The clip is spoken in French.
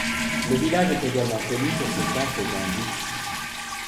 Le village est également connu pour ses temples hindous.